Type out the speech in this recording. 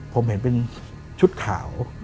ผมเห็นเป็นชุดขาว